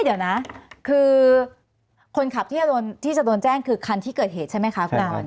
เดี๋ยวนะคือคนขับที่จะโดนแจ้งคือคันที่เกิดเหตุใช่ไหมคะคุณดาว